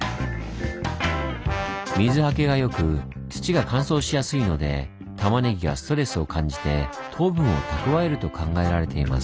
水はけが良く土が乾燥しやすいのでたまねぎがストレスを感じて糖分を蓄えると考えられています。